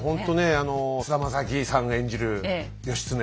あの菅田将暉さんが演じる義経。